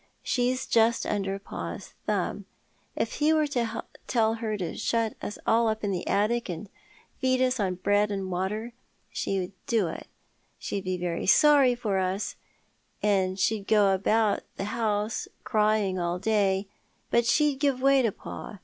She's just under pa's thumb. If he were to tell her to shut us all up in an attic and feed us on bread and water, she'd do it. She'd be very sorry for us, and she'd go about the house crying all day, but she'd give way to pa.